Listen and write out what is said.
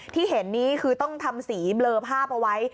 ที่เห็นนี้คือต้องทำสีเบลอภาพเอาไว้